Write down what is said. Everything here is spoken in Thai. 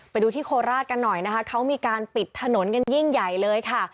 ไปดูที่โคราชกันหน่อยนะคะเขามีการปิดถนนกันยิ่งใหญ่เลยค่ะ